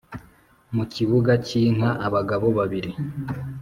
mu kibuga cyinka abagabo babiri